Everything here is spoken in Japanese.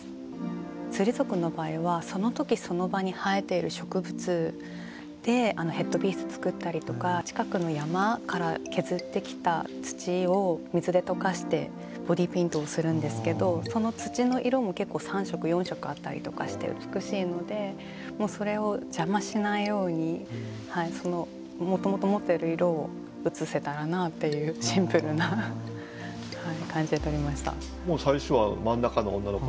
スリ族の場合はその時その場に生えている植物でヘッドピース作ったりとか近くの山から削ってきた土を水で溶かしてボディーペイントをするんですけどその土の色も結構３色４色あったりとかして美しいのでそれを邪魔しないようにもともと持っている色を写せたらなっていうシンプルな感じで撮りました。